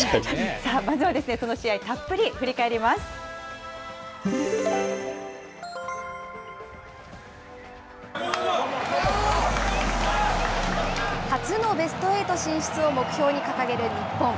まずはその試合、たっぷり振初のベストエイト進出を目標に掲げる日本。